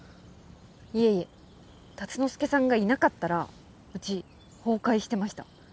いえいえ竜之介さんがいなかったらうち崩壊してました。